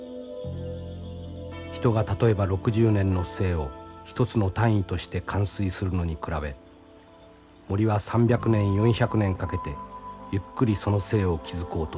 人が例えば６０年の生を一つの単位として完遂するのに比べ森は３００年４００年かけてゆっくりその生を築こうとする。